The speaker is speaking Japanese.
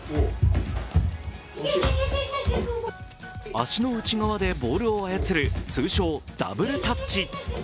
足の内側でボールを操る通称ダブルタッチ。